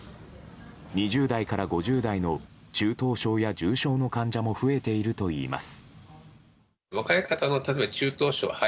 ２０代から５０代の中等症や重症の患者も増えているといいます。